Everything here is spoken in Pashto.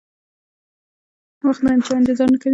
وخت د چا انتظار نه کوي.